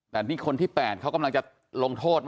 แต่นี่คนที่๘เขากำลังจะลงโทษ